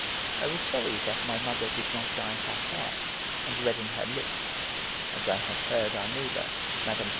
I was sorry that my mother did not dye her hair and redden her lips, as I had heard our neighbour, Mme.